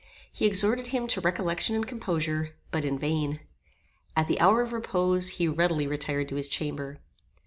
He exhorted him to recollection and composure, but in vain. At the hour of repose he readily retired to his chamber.